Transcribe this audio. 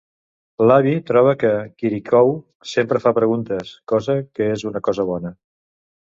L'avi troba que Kirikou sempre fa preguntes, cosa que és una cosa bona.